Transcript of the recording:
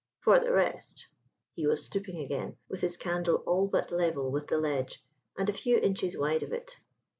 For the rest " He was stooping again, with his candle all but level with the ledge and a few inches wide of it.